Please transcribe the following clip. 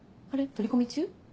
取り込み中？